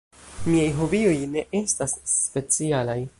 Miaj hobioj ne estas specialaj.